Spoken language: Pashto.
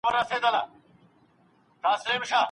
ذهن مو د مثبتو فکرونو لپاره روزل کېږي.